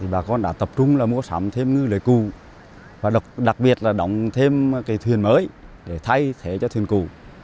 bà con đã tập trung mua sắm thêm ngư lợi cù đặc biệt là động thêm thuyền mới để thay thay cho thuyền cù